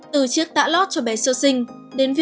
từ chiếc tã lót cho bé sơ sinh